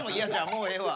もうええわ。